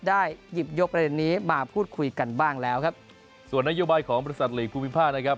ได้หยิบยกประเด็นนี้มาพูดคุยกันบ้างแล้วครับส่วนนโยบายของบริษัทหลีกภูมิภาคนะครับ